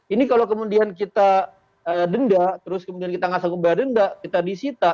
ini kalau kemudian kita denda terus kemudian kita nggak sanggup bayar denda kita disita